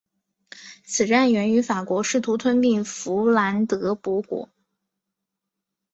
此战源于法国试图吞并弗兰德伯国。